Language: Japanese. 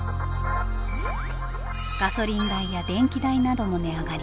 ガソリン代や電気代なども値上がり。